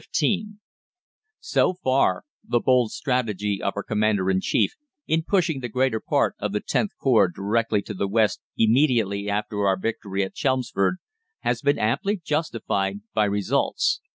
_ So far the bold strategy of our Commander in Chief, in pushing the greater part of the Xth Corps directly to the west immediately after our victory at Chelmsford, has been amply justified by results.